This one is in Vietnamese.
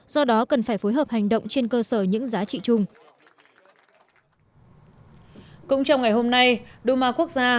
do đó cần phải phối hợp hành động trên cơ sở những giá trị chung